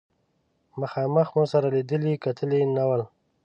مخامخ مو سره لیدلي کتلي نه ول.